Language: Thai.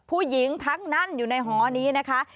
ผู้หญิงทั้งนั้นอยู่ในหอนี้นะคะ